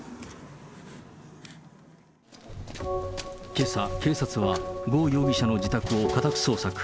けさ、警察は、呉容疑者の自宅を家宅捜索。